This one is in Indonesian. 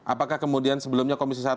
apakah kemudian sebelumnya komisi satu